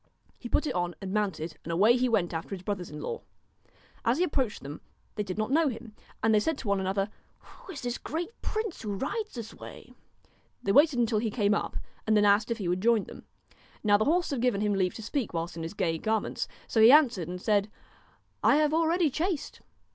He put it on and mounted, KNOW a nd away he went after his brothers in law. As he approached them, they did not know him, and they said one to another :* Who is this great prince who rides this way ?' They waited till he came up and then asked if he would join them. Now the horse had given him leave to speak whilst in his gay garments, so he answered and said :' I have already chased.'